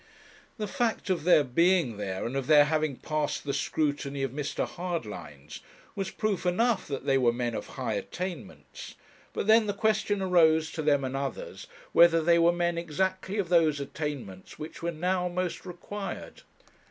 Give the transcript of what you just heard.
The fact of their being there, and of their having passed the scrutiny of Mr. Hardlines, was proof enough that they were men of high attainments; but then the question arose to them and others whether they were men exactly of those attainments which were now most required.